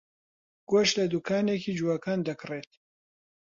گۆشت لە دوکانێکی جووەکان دەکڕێت.